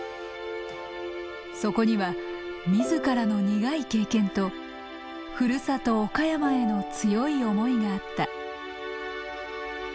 そこには自らの苦い経験とふるさと岡山への強い思いがあった。